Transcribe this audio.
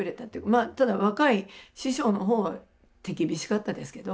まあただ若い師匠の方は手厳しかったですけど。